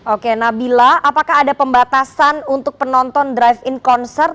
oke nabila apakah ada pembatasan untuk penonton drive in concert